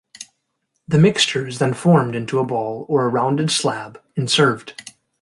The mixture is then formed into a ball or a rounded slab and served.